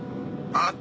「あっ」